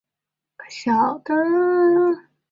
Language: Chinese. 成年后也继续在多部电视及电影中亮相。